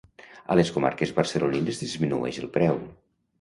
A les comarques barcelonines disminueix el preu.